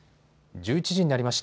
１１時になりました。